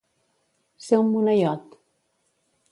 Ser un moneiot.